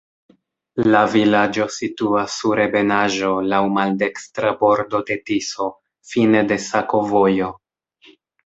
La vilaĝo situas sur ebenaĵo, laŭ maldekstra bordo de Tiso, fine de sakovojo.